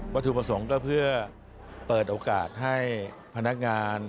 ถูกประสงค์ก็เพื่อเปิดโอกาสให้พนักงาน